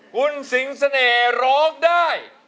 คุณสิงเสน่ห์ร้องได้